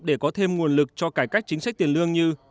để có thêm nguồn lực cho cải cách chính sách tiền lương như